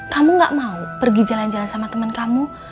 kamu gak mau pergi jalan jalan sama temen kamu